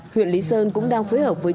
huyện lý sơn cũng đang phối hợp với trung tâm